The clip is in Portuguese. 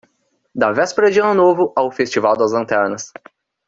Da véspera de Ano Novo ao Festival das Lanternas